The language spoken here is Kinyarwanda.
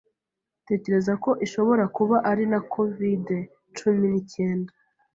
Tekereza ko ishobora kuba ari na Covid-cumi nicyenda